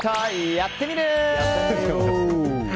「やってみる。」。